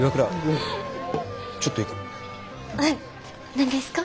何ですか？